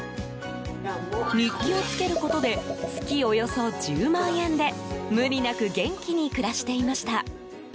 日記をつけることで月およそ１０万円で無理なく元気に暮らしていました。